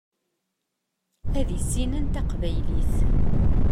Ad issinen taqbaylit.